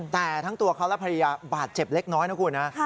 แต่ทั้งตัวเขาและภรรยาบาดเจ็บเล็กน้อยนะคุณนะ